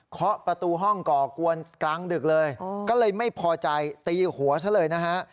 เคาะประตูห้องก่อกวนกลางดึกเลยก็เลยไม่พอใจตีหัวซะเลยนะฮะ